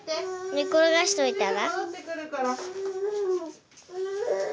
・寝っころがしといたら。